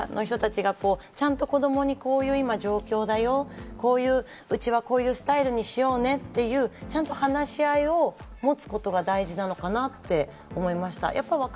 だから、この１０代の子たちとかは家族で日々、父親、母親たちがちゃんと子供にこういう状況だよ、うちはこういうスタイルにしようねっていう、ちゃんと話し合いを持つことが大事なのかなって思いました。